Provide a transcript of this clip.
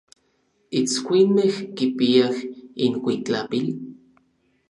¿Itskuinmej kipiaj inkuitlapil?